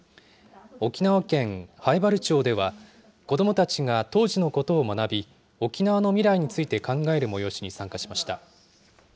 沖縄県南風原町では、子どもたちが当時のことを学び、沖縄の未来について考える催しに参加しました。